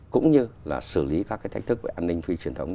cũng như là xử lý các cái thách thức về an ninh phi truyền thống